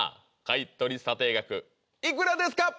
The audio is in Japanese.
買取査定額いくらですか？